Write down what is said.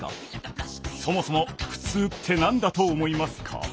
そもそも「ふつう」って何だと思いますか？